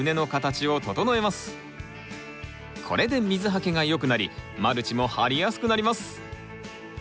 これで水はけが良くなりマルチも張りやすくなります。